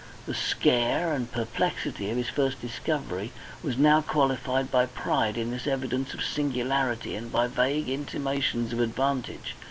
The scare and perplexity of his first discovery was now qualified by pride in this evidence of singularity and by vague intimations of advantage.